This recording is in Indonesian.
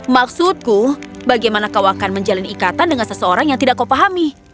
maksudku bagaimana kau akan menjalin ikatan dengan seseorang yang tidak kau pahami